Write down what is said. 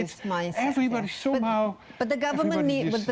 semua orang memikirkan